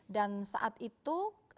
dan saat itu